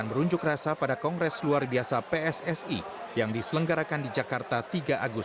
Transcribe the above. terima kasih sekali lagi